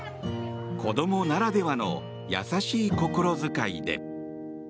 子供ならではの優しい心遣いで。